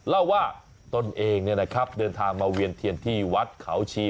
เล่าว่าตนเองเนี่ยนะครับเดินทางมาเวียนเทียนที่วัดเขาชี